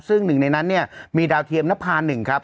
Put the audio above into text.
ซึ่งหนึ่งในนั้นมีดาวเทียมนัพพา๑ครับ